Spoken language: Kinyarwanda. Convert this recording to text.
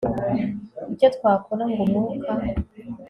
Icyo twakora ngo umwuka